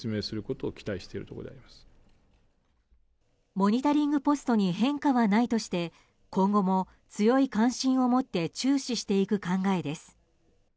モニタリングポストに変化はないとして今後も強い関心を持って注視していく考えです。